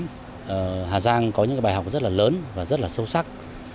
trước kỷ niệm năm hai nghìn một mươi tám hà giang có những bài học rất lớn và rất sâu sắc